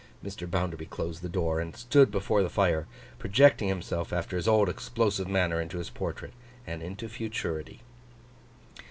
Mr. Bounderby closed the door, and stood before the fire; projecting himself after his old explosive manner into his portrait—and into futurity.